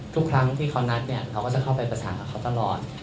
ทุกครั้งที่เขานัดเนี่ยเขาก็จะเข้าไปประสานกับเขาตลอด